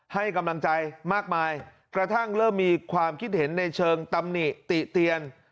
ให้กำลังใจมากมายกระทั่งเริ่มมีความคิดเห็นในเชิงตำหนิติเตียน